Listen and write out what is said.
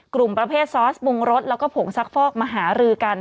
กลุ่มประเภทซอสปรุงรสแล้วก็ผงซักฟอกมาหารือกัน